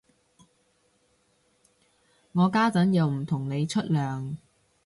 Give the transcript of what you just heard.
我家陣又唔同你出糧